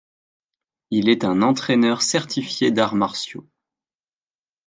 Il est un entraîneur certifié d'arts martiaux.